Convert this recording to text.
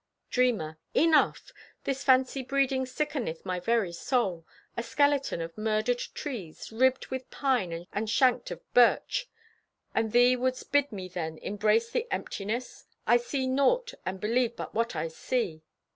Dreamer: Enough! This fancy breeding sickeneth My very soul! A skeleton of murdered trees, Ribbed with pine and shanked of birch! And thee wouldst bid me then Embrace the emptiness. I see naught, and believe but what I see.